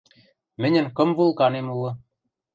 Мӹньӹн кым вулканем улы.